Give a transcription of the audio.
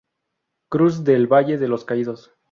Cruz del Valle de los Caídos.